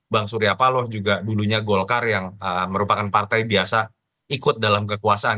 bang surya paloh juga dulunya golkar yang merupakan partai biasa ikut dalam kekuasaan